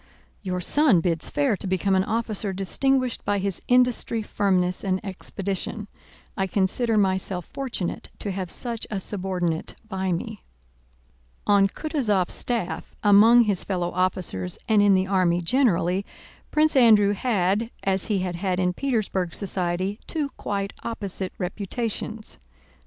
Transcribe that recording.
Your son bids fair to become an officer distinguished by his industry, firmness, and expedition. I consider myself fortunate to have such a subordinate by me. On Kutúzov's staff, among his fellow officers and in the army generally, Prince Andrew had, as he had had in Petersburg society, two quite opposite reputations.